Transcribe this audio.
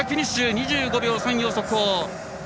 ２５秒３４、速報。